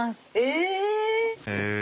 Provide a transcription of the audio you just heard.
へえ！